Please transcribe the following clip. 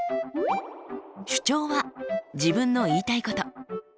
「主張」は自分の言いたいこと。